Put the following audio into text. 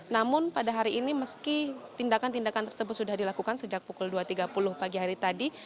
namun pada hari ini meski tindakan tindakan tersebut sudah dilakukan sejak pukul dua tiga puluh pagi hari tadi